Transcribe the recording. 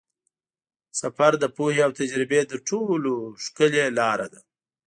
سفر د پوهې او تجربې تر ټولو ښکلې لاره ده.